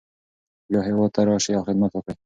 بیا هیواد ته راشئ او خدمت وکړئ.